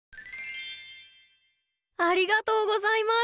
ありがとうございます。